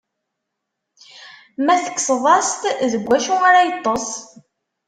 Ma tekkseḍ-as-t, deg wacu ara yeṭṭeṣ?